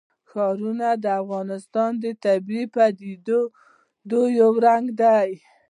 ښارونه د افغانستان د طبیعي پدیدو یو رنګ دی.